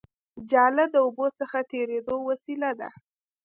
جاله د اوبو څخه تېرېدو وسیله ده